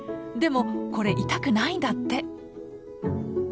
でもこれ痛くないんだって！